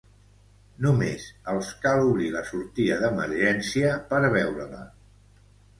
Només els cal obrir la sortida d'emergència per veure-la.